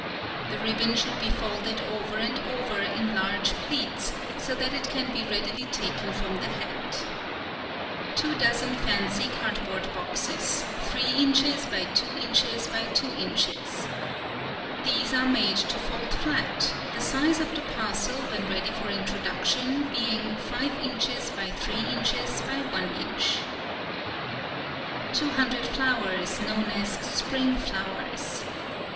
—The ribbon should be folded over and over, in large pleats, so that it can be readily taken from the hat. Two dozen fancy cardboard boxes, 3 in. by 2 in. by 2 in.—These are made to fold flat, the size of the parcel when ready for introduction being 5 in. by 3 in. by 1 in. Two hundred flowers, known as spring flowers.